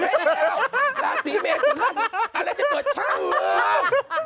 ไม่ใช่แล้วลาสีเมฆของนั้นอันนั้นจะเปิดช่างเวิร์ด